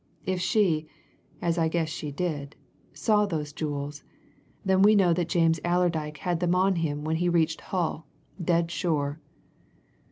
If she as I guess she did saw those jewels, then we know that James Allerdyke had them on him when he reached Hull, dead sure."